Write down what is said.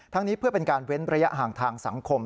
นี้เพื่อเป็นการเว้นระยะห่างทางสังคม